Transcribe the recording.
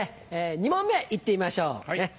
２問目いってみましょう。